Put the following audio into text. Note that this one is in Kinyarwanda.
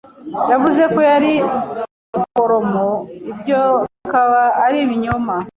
Yavuze ko yari umuforomo, ibyo bikaba ari ibinyoma.